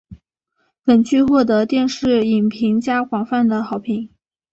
本剧获得电视影评家广泛的好评。